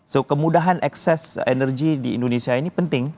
so kemudahan ekses energi di indonesia ini penting